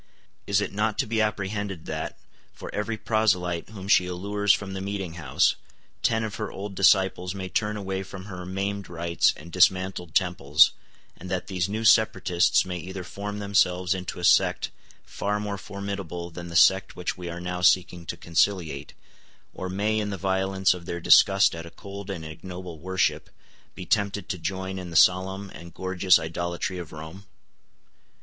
Is it not to be apprehended that, for every proselyte whom she allures from the meeting house, ten of her old disciples may turn away from her maimed rites and dismantled temples, and that these new separatists may either form themselves into a sect far more formidable than the sect which we are now seeking to conciliate, or may, in the violence of their disgust at a cold and ignoble worship, be tempted to join in the solemn and gorgeous idolatry of Rome?